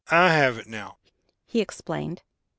"I have it now," he explained.